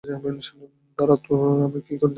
দাড়া তোর আমি কী করি দ্যাখ।